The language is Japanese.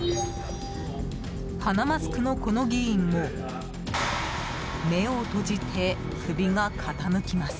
鼻マスクのこの議員も目を閉じて首が傾きます。